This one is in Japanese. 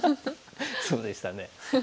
そうでしたね。